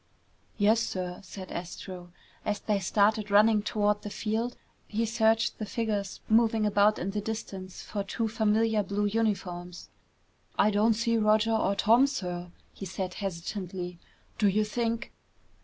"Yes, sir," said Astro. As they started running toward the field, he searched the figures moving about in the distance for two familiar blue uniforms. "I don't see Roger or Tom, sir," he said hesitantly. "Do you think